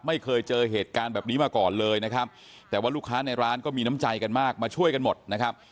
ไม่เคยเจอเหตุการณ์แบบนี้มาก่อนเลยนะครับแต่ว่าลูกค้าในร้านก็มีน้ำใจกันมากมาช่วยกันหมดนะครับ